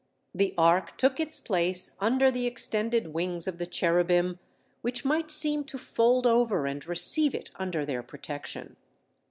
The Ark took its place under the extended wings of the cherubim, which might seem to fold over, and receive it under their protection.